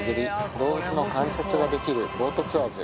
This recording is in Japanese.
動物の観察ができるボートツアーズ